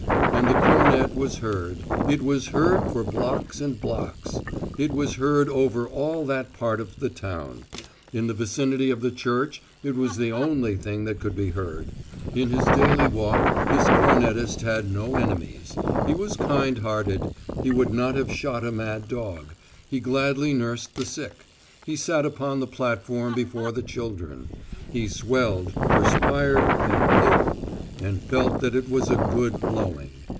And the cornet was heard: it was heard for blocks and blocks; it was heard over all that part of the town in the vicinity of the church it was the only thing that could be heard. In his daily walk this cornetist had no enemies: he was kind hearted; he would not have shot a mad dog; he gladly nursed the sick. He sat upon the platform before the children; he swelled, perspired and blew, and felt that it was a good blowing.